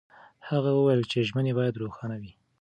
هغه وویل چې ژمنې باید روښانه وي.